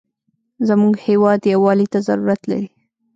زموږ هېواد یوالي ته ضرورت لري.